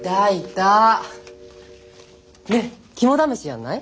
ねっ肝試しやんない？